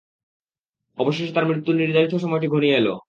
অবশেষে তাঁর মৃত্যুর নির্ধারিত সময়টি ঘনিয়ে এল।